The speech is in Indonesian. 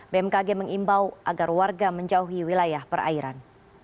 bmkg mengimbau agar warga menjauhi wilayah perairan